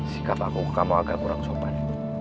sikap aku kamu agak kurang sopan